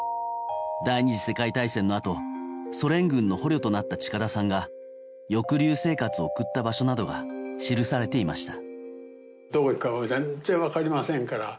第２次世界大戦のあとソ連軍の捕虜となった近田さんが抑留生活を送った場所などが記されていました。